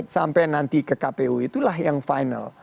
sampai nanti ke kpu itulah yang final